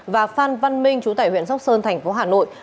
và phan văn minh chú tải huyện sóc sơn thành phố hà nội